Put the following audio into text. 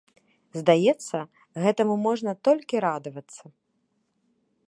Здаецца, гэтаму можна толькі радавацца.